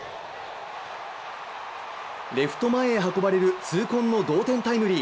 レフト前へ運ばれる痛恨の同点タイムリー。